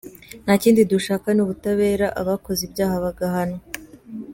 Nta kindi dushaka ni ubutabera abakoze ibyaha bagahanwa.